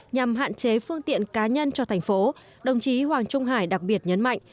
nhằm hạn chế phương tiện cá nhân cho thành phố đồng chí hoàng trung hải đặc biệt nhấn mạnh